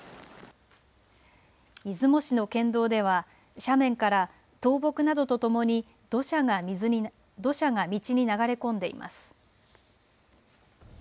出雲市の県道では斜面から倒木などとともに土砂が道に流れ込んでいます。